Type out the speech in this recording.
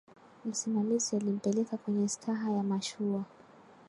msimamizi alimpeleka kwenye staha ya mashua